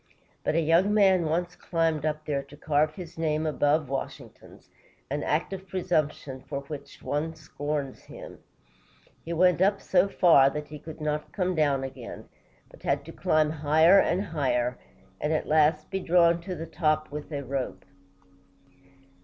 But a young man once climbed up there to carve his name above Washington's, an act of presumption for which every one scorns him. He went up so far that he could not come down again, but had to climb higher and higher, and at last be drawn to the top with a rope.